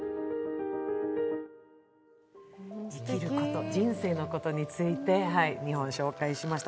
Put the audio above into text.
生きること、人生のことについて２本紹介しました。